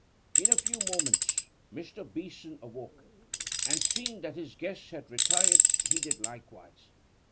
In a few moments Mr. Beeson awoke, and seeing that his guest had retired he did likewise.